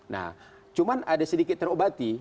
nah cuman ada sedikit terobati